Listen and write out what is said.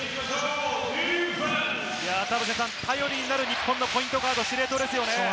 田臥さん、頼りになる日本のポイントガード、司令塔ですね。